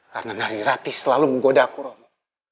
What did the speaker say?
karena nari rati selalu menggoda aku romo